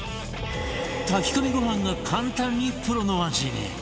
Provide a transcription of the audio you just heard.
炊き込みご飯が簡単にプロの味に！